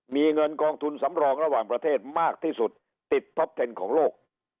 มีเงินกองทุนสำรองระหว่างประเทศมากที่สุดติดท็อปเทนของโลก